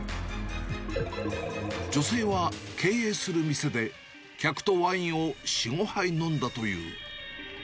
女性は、経営する店で客とワインを４、５杯飲んだという。